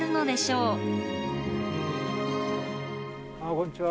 こんにちは。